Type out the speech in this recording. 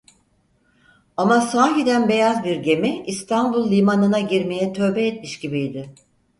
Ama sahiden beyaz bir gemi İstanbul limanına girmeye tövbe etmiş gibiydi.